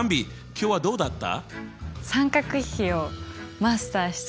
今日はどうだった？